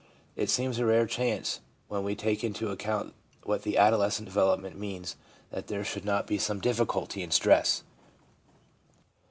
It seems a rare chance when we take into account what the adolescent development means that there should not be some difficulty and stress.